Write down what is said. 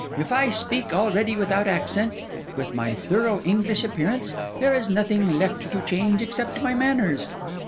If I speak already without accent, with my thorough English appearance, there is nothing left to change except my manners.